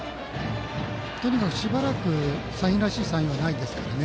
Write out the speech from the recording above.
とにかく、しばらくサインらしいサインはないですからね。